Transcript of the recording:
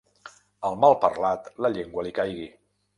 Al malparlat, la llengua li caigui.